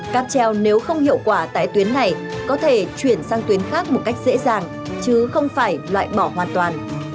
cáp treo nếu không hiệu quả tại tuyến này có thể chuyển sang tuyến khác một cách dễ dàng chứ không phải loại bỏ hoàn toàn